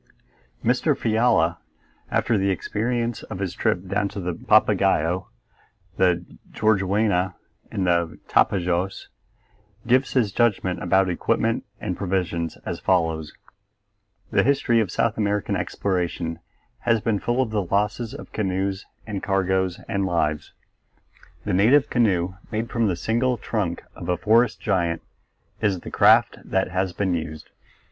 Mr. Fiala, after the experience of his trip down the Papagaio, the Juruena, and the Tapajos, gives his judgment about equipment and provisions as follows: The history of South American exploration has been full of the losses of canoes and cargoes and lives. The native canoe made from the single trunk of a forest giant is the craft that has been used.